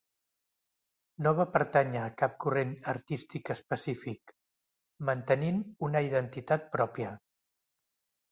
No va pertànyer a cap corrent artístic específic, mantenint una identitat pròpia.